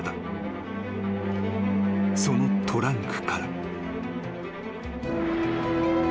［そのトランクから］